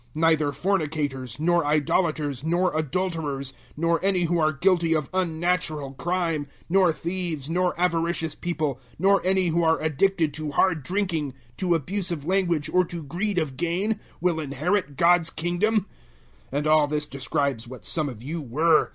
Neither fornicators, nor idolaters, nor adulterers, nor any who are guilty of unnatural crime, 006:010 nor theives, nor avaricious people, nor any who are addicted to hard drinking, to abusive language or to greed of gain, will inherit God's Kingdom. 006:011 And all this describes what some of you were.